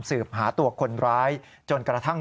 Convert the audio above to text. สืบหาตัวคนร้ายจนกระทั่ง